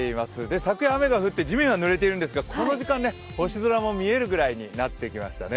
昨夜、雨が降って、地面は濡れているんですが、この時間、星空も見えるぐらいになってきましたね。